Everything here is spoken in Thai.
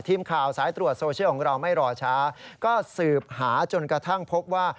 ทีมข่าวสายตรวจโซเชียลของเราไม่รอช้าก็สืบหาจนกระทั่งพบว่า